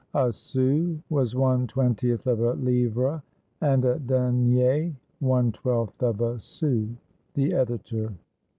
A sou was one twentieth of a livre, and a denier one twelfth of a sou. The Editor.